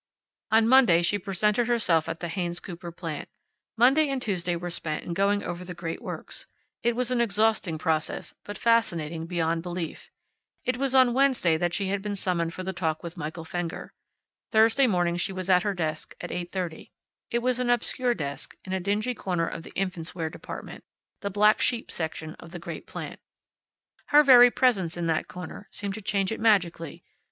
On Monday she presented herself at the Haynes Cooper plant. Monday and Tuesday were spent in going over the great works. It was an exhausting process, but fascinating beyond belief. It was on Wednesday that she had been summoned for the talk with Michael Fenger. Thursday morning she was at her desk at eight thirty. It was an obscure desk, in a dingy corner of the infants' wear department, the black sheep section of the great plant. Her very presence in that corner seemed to change it magically.